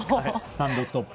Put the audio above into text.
単独トップ。